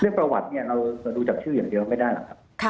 ประวัติเนี่ยเราดูจากชื่ออย่างเดียวไม่ได้หรอกครับ